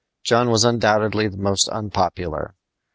John was undoubtedly the most unpopular.